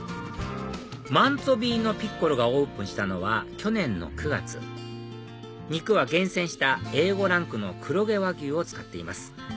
マンツォヴィーノピッコロがオープンしたのは去年の９月肉は厳選したＡ５ランクの黒毛和牛を使っています